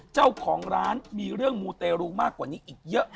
เจ้าของร้านมีเรื่องมูเตรูมากกว่านี้อีกเยอะ